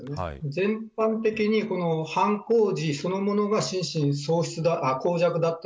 全般的に犯行時そのものが心身耗弱だった。